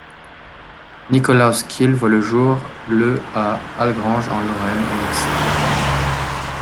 Nikolaus Kyll voit le jour le à Algrange en Lorraine annexée.